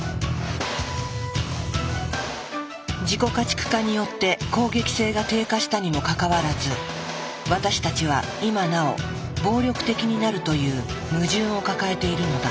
自己家畜化によって攻撃性が低下したにもかかわらず私たちは今なお暴力的になるという矛盾を抱えているのだ。